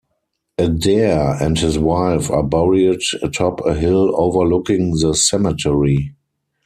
Adair and his wife are buried atop a hill overlooking the cemetery.